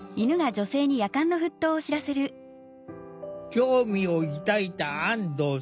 興味を抱いた安藤さん。